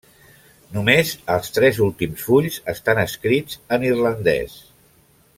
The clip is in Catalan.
Només els tres últims fulls estan escrits en irlandès.